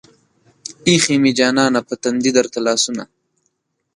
ايښې مې جانانه پۀ تندي درته لاسونه